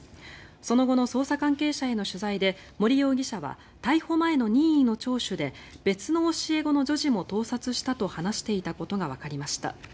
その後の捜査関係者への取材で森容疑者は逮捕前の任意の聴取で別の教え子の女児も盗撮したと話していたことがわかりました。